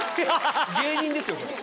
芸人ですよそれ。